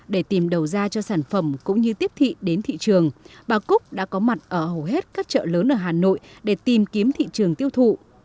để tìm đầu ra cho sản phẩm cũng như tiếp thị đến thị trường bà cúc đã có mặt ở hầu hết các chợ lớn ở hà nội để tìm kiếm thị trường tiêu thụ